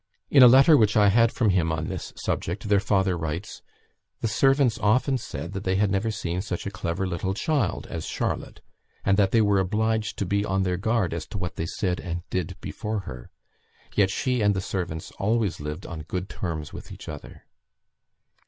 In a letter which I had from him on this subject, their father writes: "The servants often said that they had never seen such a clever little child" (as Charlotte), "and that they were obliged to be on their guard as to what they said and did before her. Yet she and the servants always lived on good terms with each other."